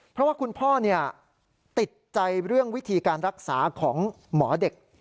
เพราะว่าคุณพ่อติดใจเรื่องวิธีการรักษาของหมอเด็ก